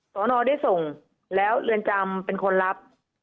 สอนอได้ส่งแล้วเรือนจำเป็นคนรับ